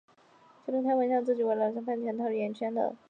桥本曾开玩笑自己是为了拿省饭钱而踏入演艺圈的。